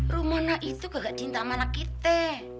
rumana itu gak gak cinta sama anak kita